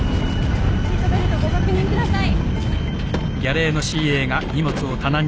シートベルトご確認ください。